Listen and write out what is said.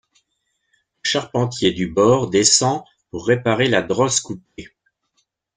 Le charpentier du bord descend pour réparer la drosse coupée.